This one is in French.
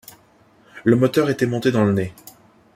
Le moteur était monté dans le nez.